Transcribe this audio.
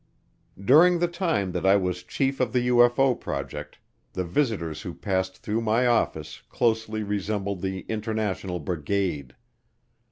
During the time that I was chief of the UFO project, the visitors who passed through my office closely resembled the international brigade.